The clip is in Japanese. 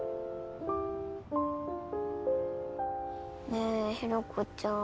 ねぇ弘子ちゃん。